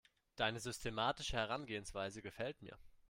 Deine systematische Herangehensweise gefällt mir.